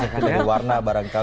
itu warna barangkali